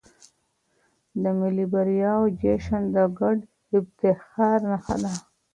د ملي بریاوو جشن د ګډ افتخار نښه ده.